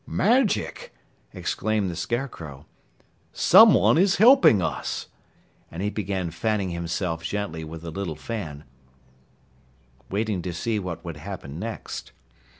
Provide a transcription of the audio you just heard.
"Magic!" exclaimed the Scarecrow. "Someone is helping us," and he began fanning himself gently with the little fan, waiting to see what would happen next.